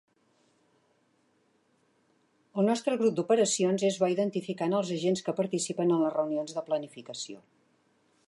El nostre grup d'operacions és bo identificant els agents que participen en les reunions de planificació.